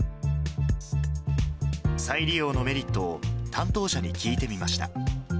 再利用のメリットを担当者に聞いてみました。